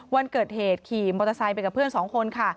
วันเกิดเหตุขี่มอเตอร์ไซค์ไปกับเพื่อนสองคนค่ะ